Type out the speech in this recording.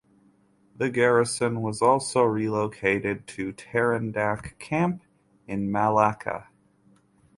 The garrison was also relocated to Terendak Camp in Malacca.